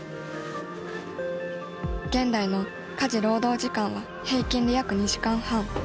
現代の家事労働時間は平均で約２時間半。